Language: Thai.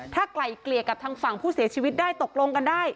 ถ้าไกลเกลี่ยกับทางฝั่งผู้เสียชีวิตได้ตกลงกันได้